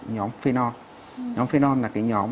nhóm phenol nhóm phenol là cái nhóm